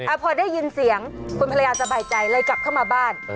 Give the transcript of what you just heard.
พอได้ยินเสียงคุณภรรยาสบายใจเลยกลับเข้ามาบ้าน